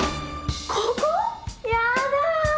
ここ？やだぁ。